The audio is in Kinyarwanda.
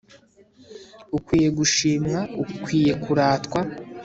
ukwiye gushimwa ukwiye kuratwa